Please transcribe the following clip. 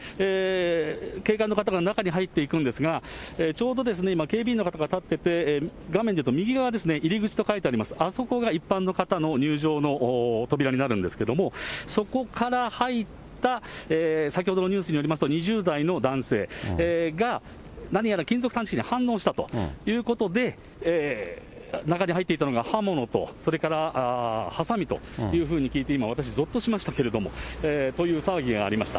警官の方が中に入っていくんですが、ちょうど今、警備員の方が立ってて、画面でいうと右側ですね、入り口と書いてあります、あそこが一般の方の入場の扉になるんですけれども、そこから入った、先ほどのニュースによりますと、２０代の男性が、何やら金属探知機に反応したということで、中に入っていたのが刃物と、それからはさみというふうに聞いて、私、今、ぞっとしましたけれども、という騒ぎがありました。